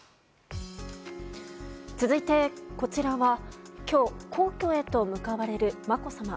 続いてこちらは今日皇居へと向かわれる、まこさま。